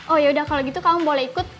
oh ya udah kalau gitu kamu boleh ikut